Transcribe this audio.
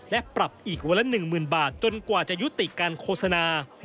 และปรับอีกวันละ๑๐๐๐บาทจนกว่าจะยุติการโฆษณา